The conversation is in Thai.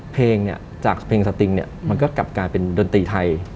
เพลงจากเพลงสติงก็กลับกลายเป็นดนตรีไทย